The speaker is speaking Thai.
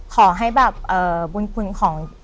ขอให้แบบบุญคุณของ